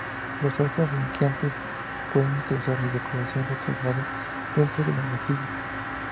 Los alfa bloqueantes pueden causar eyaculación retrógrada dentro de la vejiga.